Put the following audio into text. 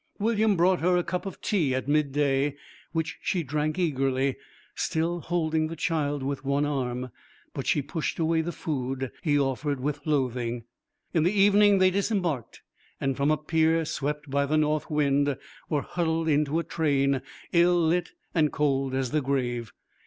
William brought her a cup of tea at mid day, which she drank eagerly, still holding the child with one arm, but she pushed away the food he offered with loathing. In the evening they disembarked, and from a pier swept by the north wind were huddled into a train, ill lit and cold as the grave.